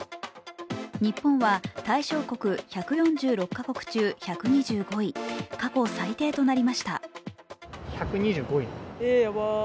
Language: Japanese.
日本は対象国１４６か国中１２５位、過去最低となりました。